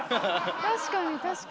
確かに確かに。